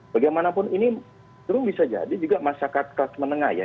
bagaimanapun ini bisa jadi juga masyarakat kelas menengah ya